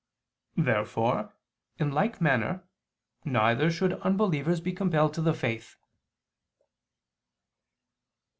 Therefore, in like manner, neither should unbelievers be compelled to the faith.